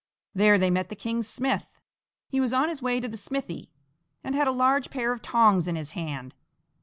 There they met the king's smith; he was on his way to the smithy, and had a large pair of tongs in his hand.